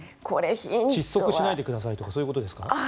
窒息しないでくださいとかそういうことですか？